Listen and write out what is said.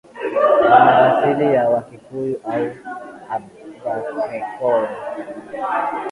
wana asili ya Wakikuyu au Abhaghekoyo